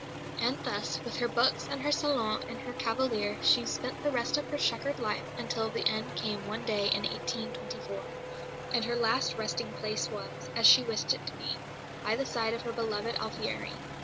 And thus, with her books and her salon and her cavalier, she spent the rest of her chequered life until the end came one day in 1824; and her last resting place was, as she wished it to be, by the side of her beloved Alfieri.